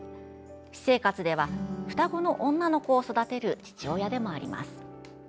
私生活では双子の女の子を育てる父親でもあります。